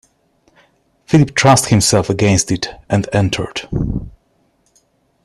Philip thrust himself against it and entered.